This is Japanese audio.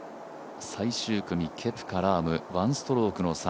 最終組、ケプカ、ラーム１ストロークの差。